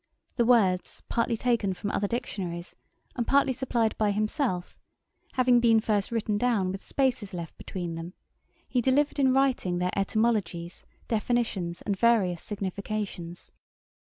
The words, partly taken from other dictionaries, and partly supplied by himself, having been first written down with spaces left between them, he delivered in writing their etymologies, definitions, and various significations.